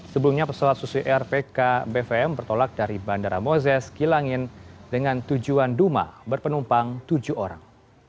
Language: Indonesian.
sebelumnya pesawat susi air pkbvm bertolak dari bandara moses kilangin dengan tujuan duma berpenumpang tujuh orang